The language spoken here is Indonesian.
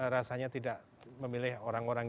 rasanya tidak memilih orang orang